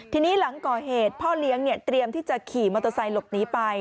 ทีนี้หลังก่อเหตุพ่อเลี้ยงเตรียมที่จะขี่มอเตอร์ไซค์หลบหนีไป